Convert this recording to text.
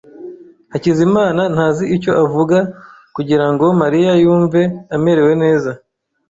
Hakizimana ntazi icyo avuga kugirango Mariya yumve amerewe neza.